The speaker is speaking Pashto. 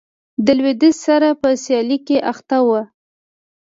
د لوېدیځ سره په سیالۍ کې اخته و.